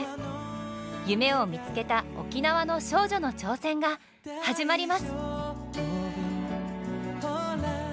夢を見つけた沖縄の少女の挑戦が始まります！